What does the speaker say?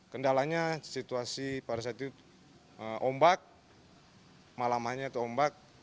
kendalanya situasi pada saat itu umbak malamannya itu umbak